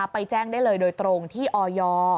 ไปแจ้งได้เลยโดยตรงที่ออย